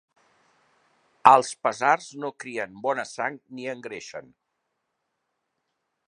Els pesars no crien bona sang ni engreixen.